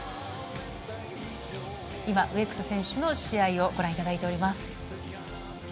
今、植草選手の試合をご覧いただいています。